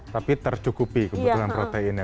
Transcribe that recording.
tapi tercukupi kebetulan proteinnya